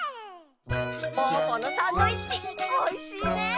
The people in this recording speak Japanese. ぽぅぽのサンドイッチおいしいね。